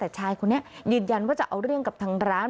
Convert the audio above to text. แต่ชายคนนี้ยืนยันว่าจะเอาเรื่องกับทางร้าน